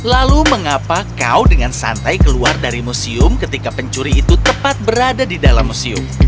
lalu mengapa kau dengan santai keluar dari museum ketika pencuri itu tepat berada di dalam museum